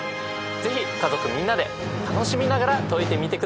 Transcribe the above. ぜひ家族みんなで楽しみながら解いてみてください。